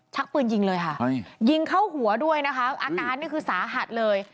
ชักปืนยิงเลยค่ะยิงเข้าหัวด้วยนะคะอาการนี่คือสาหัสเลย